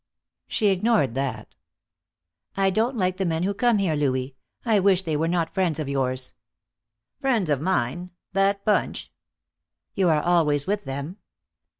She ignored that. "I don't like the men who come here, Louis. I wish they were not friends of yours." "Friends of mine! That bunch?" "You are always with them."